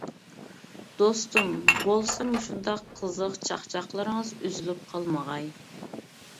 دوستۇم، بولسا مۇشۇنداق قىزىق چاقچاقلىرىڭىز ئۈزۈلۈپ قالمىغاي.